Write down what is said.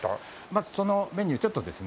まずそのメニューちょっとですね